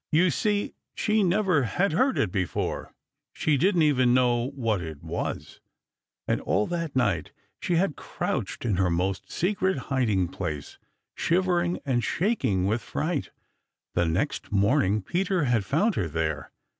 You see, she never had heard it before, She didn't even know what it was, and all that night she had crouched in her most secret hiding place, shivering and shaking with fright. The next morning Peter had found her there.